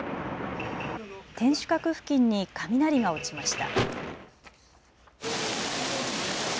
天守閣付近に雷が落ちました。